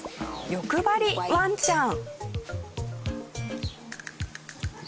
欲張りワンちゃん。